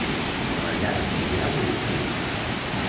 A la llar hi ha moviment?